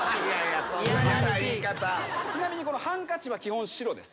ちなみにハンカチは基本白です。